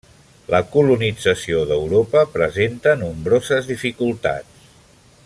La colonització d'Europa presenta nombroses dificultats.